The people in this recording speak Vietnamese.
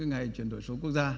ngày chuyển đổi số quốc gia